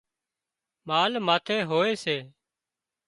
مال ماٿي هوئي سي